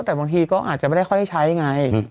แต่บางทีก็อาจจะไม่ได้ค่อยได้ใช้ไง